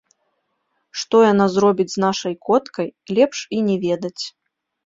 Што яна зробіць з нашай коткай, лепш і не ведаць.